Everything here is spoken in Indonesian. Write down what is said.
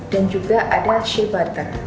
dan juga ada shea butter